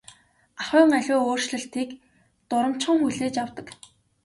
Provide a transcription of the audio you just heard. Ахуйн аливаа өөрчлөлтийг дурамжхан хүлээж авдаг.